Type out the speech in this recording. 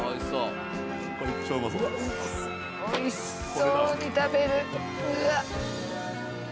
おいしそうに食べる。